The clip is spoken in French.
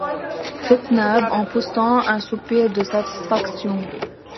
fit Nab, en poussant un soupir de satisfaction.